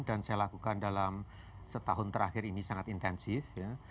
dan saya lakukan dalam setahun terakhir ini sangat intensif